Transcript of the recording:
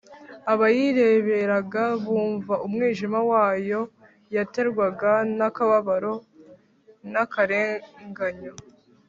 abayireberaga, bumva umujinya wayo yaterwaga n' akababaro n'akarenganyo,